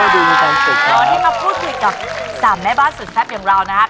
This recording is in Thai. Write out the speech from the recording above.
วันนี้มาพูดคุยกับ๓แม่บ้านสุดแซ่บอย่างเรานะครับ